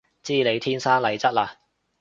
知你天生麗質嘞